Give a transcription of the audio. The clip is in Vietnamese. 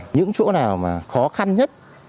những chỗ nào mà khó khăn nhất